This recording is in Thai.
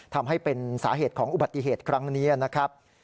ทำให้เป็นสาเหตุของอุบัติเหตุครั้งนี้นะครับ